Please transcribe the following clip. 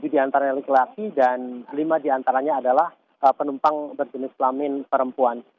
tujuh diantaranya lelaki dan lima diantaranya adalah penumpang berjenis lamin perempuan